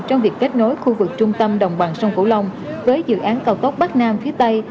trong việc kết nối khu vực trung tâm đồng bằng sông cửu long với dự án cao tốc bắc nam phía tây